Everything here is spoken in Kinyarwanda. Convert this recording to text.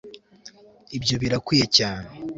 ibyo birakwiriye cyane